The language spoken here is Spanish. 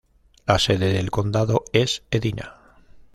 La sede del condado es Edina.